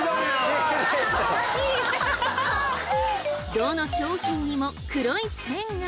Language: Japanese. どの商品にも黒い線が！